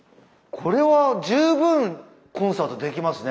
これは十分コンサートできますね。